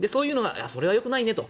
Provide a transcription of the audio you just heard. それはよくないよねって